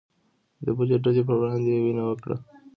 د بلې ډلې په وړاندې يې وينه وکړه